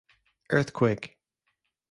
Earthquake!